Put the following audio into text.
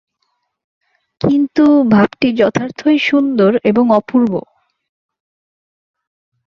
কিন্তু ভাবটি যথার্থই সুন্দর এবং অপূর্ব।